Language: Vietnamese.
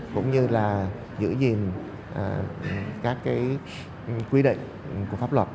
cũng như là giữ gìn các cái quy định của pháp luật